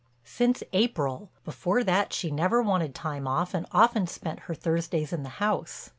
"Since April. Before that she never wanted time off and often spent her Thursdays in the house.